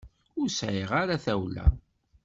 Ur sɛiɣ ara tawla.